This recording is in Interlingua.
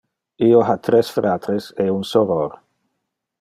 Io ha tres fratres e un soror.